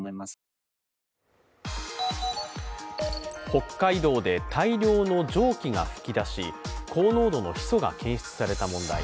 北海道で大量の蒸気が噴き出し、高濃度のヒ素が検出された問題。